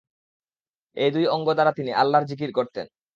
এ দুই অংগ দ্বারা তিনি আল্লাহর যিকির করতেন।